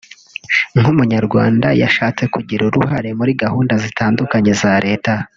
nk’umunyarwanda yashatse kugira uruhare muri gahunda zitandukanye za Leta